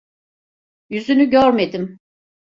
Yüzünü görmedim.